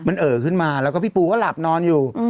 มันเอ่อขึ้นมาแล้วก็พี่ปูก็หลับนอนอยู่